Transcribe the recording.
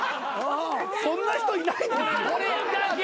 そんな人いないですよ。